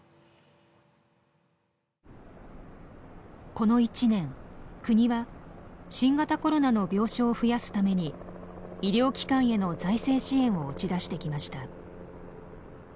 この１年国は新型コロナの病床を増やすために医療機関への財政支援を打ち出してきました。